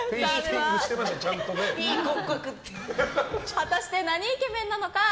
果たして、なにイケメンなのか。